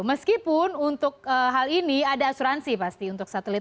meskipun untuk hal ini ada asuransi pasti untuk satelit